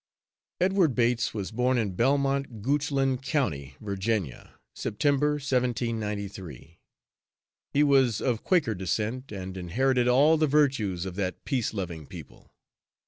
Edward Bates was born in Belmont, Goochland county, Va., September, 1793. He was of Quaker descent, and inherited all the virtues of that peace loving people.